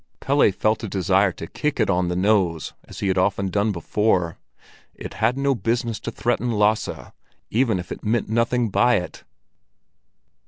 Pelle felt a desire to kick it on the nose as he had often done before; it had no business to threaten Lasse, even if it meant nothing by it.